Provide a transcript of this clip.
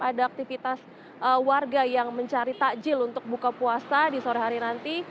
ada aktivitas warga yang mencari takjil untuk buka puasa di sore hari nanti